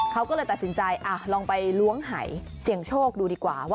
เขาก็เลยตัดสินใจลองไปล้วงหายเสี่ยงโชคดูดีกว่าว่า